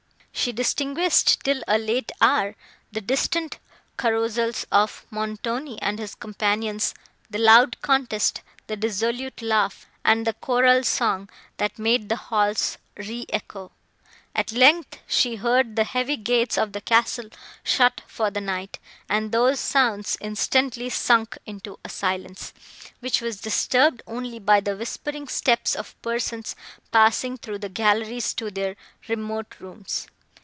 She distinguished, till a late hour, the distant carousals of Montoni and his companions—the loud contest, the dissolute laugh and the choral song, that made the halls re echo. At length, she heard the heavy gates of the castle shut for the night, and those sounds instantly sunk into a silence, which was disturbed only by the whispering steps of persons, passing through the galleries to their remote rooms.